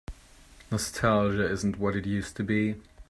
Nostalgia isn't what it used to be.